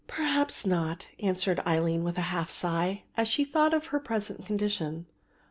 "Perhaps not," answered Aline with a half sigh, as she thought of her present condition.